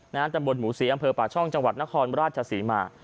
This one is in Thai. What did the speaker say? นะครับบนหมู่ศรีอำเภอป่าช่องจังหวัดนครราชสีมา